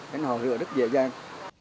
nên họ rửa rất dễ dàng